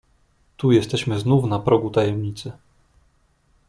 "Tu jesteśmy znów na progu tajemnicy."